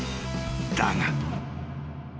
［だが］